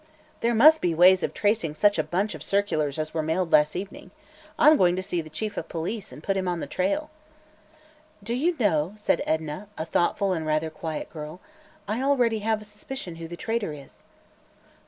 "There must be ways of tracing such a bunch of circulars as were mailed last evening. I'm going to see the Chief of Police and put him on the trail." "Do you know," said Edna, a thoughtful and rather quiet girl, "I already have a suspicion who the traitor is."